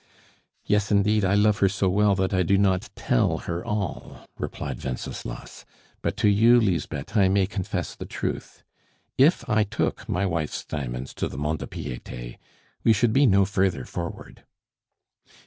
"Yes, indeed, I love her so well that I do not tell her all," replied Wenceslas; "but to you, Lisbeth, I may confess the truth. If I took my wife's diamonds to the Monte de Piete, we should be no further forward."